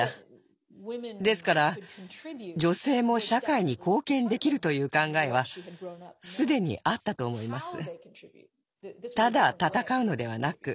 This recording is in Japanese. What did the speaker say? ですから女性も社会に貢献できるという考えは既にあったと思います。